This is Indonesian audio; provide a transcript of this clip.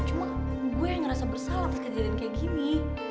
cuma gue yang ngerasa bersalah kejadian kayak gini